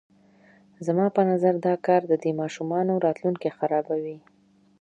زما په نظر دا کار د دې ماشومانو راتلونکی خرابوي.